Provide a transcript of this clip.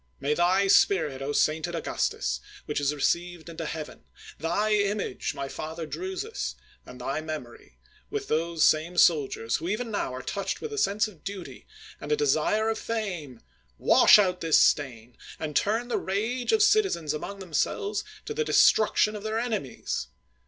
May thy spirit, sainted Augustus ! which is received into heaven — thy image, my father Drusus! and thy memory, with those same soldiers who even now are touched with a sense of duty and a desire of fame — ^wash out this stain, and turn the rage of citizens among themselves to the destruction of their enemies